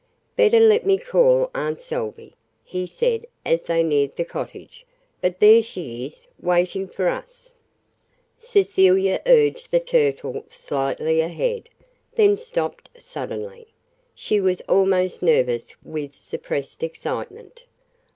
"Better let me call Aunt Salvey," he said as they neared the cottage. "But there she is waiting for us." Cecilia urged the Turtle slightly ahead, then stopped suddenly. She was almost nervous with suppressed excitement.